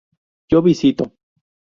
yo visito